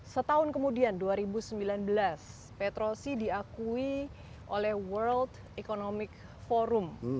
setahun kemudian dua ribu sembilan belas petrosi diakui oleh world economic forum